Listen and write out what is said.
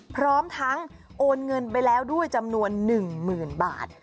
พร้อมทั้งโอนเงินไปแล้วด้วยจำนวน๑๐๐๐บาท